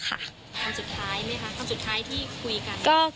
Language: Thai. คำสุดท้ายไหมคะคำสุดท้ายที่คุยกัน